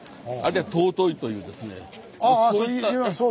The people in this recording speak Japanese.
あるいは尊いというですね。